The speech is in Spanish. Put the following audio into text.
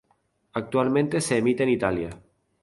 Actualmente se emite en Italia.